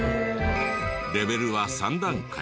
レベルは３段階。